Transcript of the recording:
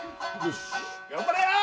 頑張れよー！